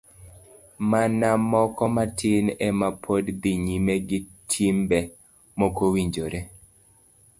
Mana moko matin ema pod dhi nyime gi timbe mokowinjore.